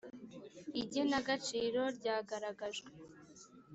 igenagaciro ryagaragajwe.